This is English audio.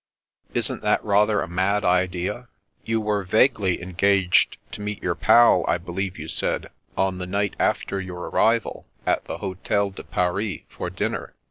" Isn't that rather a mad idea ? You were vaguely engaged to meet your pal, I believe you said, on the night after your arrival, at the Hotel de Paris, for dinner.